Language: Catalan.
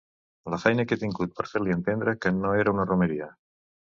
La feina que he tingut per fer-li entendre que no era una romeria!